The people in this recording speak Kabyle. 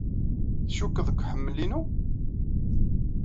Tcukkeḍ deg uḥemmel inu?